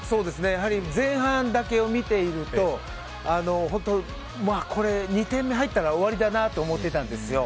やはり前半だけを見ているとこれ、２点目入ったら終わりだなと思っていたんですよ。